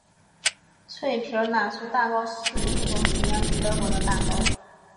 脆皮奶酥蛋糕是一种起源于德国的蛋糕。